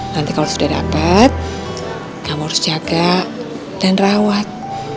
nanti kalau sudah dapat kamu harus jaga dan rawat